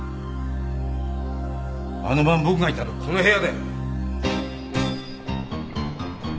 あの晩僕がいたのこの部屋だよ。